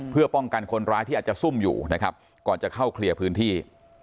เพื่อป้องกันคนร้ายที่อาจจะซุ่มอยู่นะครับก่อนจะเข้าเคลียร์พื้นที่